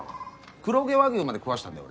黒毛和牛まで食わしたんだよ